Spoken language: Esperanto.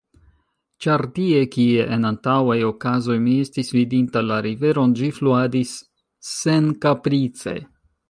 Ĉar tie, kie en antaŭaj okazoj mi estis vidinta la riveron, ĝi fluadis senkaprice.